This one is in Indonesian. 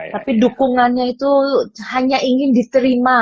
tapi dukungannya itu hanya ingin diterima